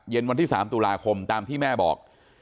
วันที่๓ตุลาคมตามที่แม่บอก